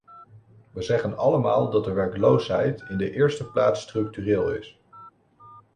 Wij zeggen allemaal dat de werkloosheid in de eerste plaats structureel is.